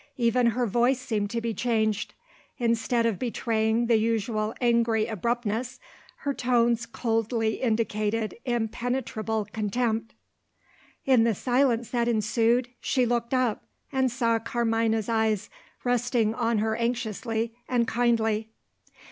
Even her voice seemed to be changed. Instead of betraying the usual angry abruptness, her tones coldly indicated impenetrable contempt. In the silence that ensued, she looked up, and saw Carmina's eyes resting on her anxiously and kindly.